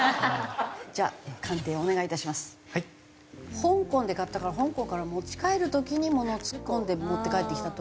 香港で買ったから香港から持ち帰る時にものを突っ込んで持って帰ってきたと。